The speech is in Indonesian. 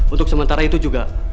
untuk sementara itu juga